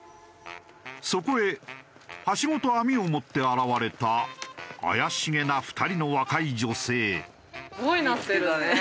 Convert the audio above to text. そこへはしごと網を持って現れた怪しげな２人の若い女性。